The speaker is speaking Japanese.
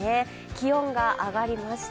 気温が上がりました。